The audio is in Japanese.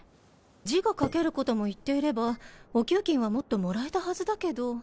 字が書けることも言っていればお給金はもっともらえたはずだけど。